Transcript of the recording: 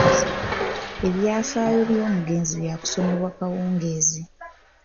Ebyafaayo by'omugenzi byakusomebwa kawungeezi.